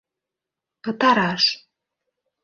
— Пытараш!